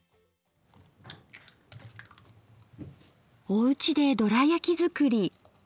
おうちでドラやき作り。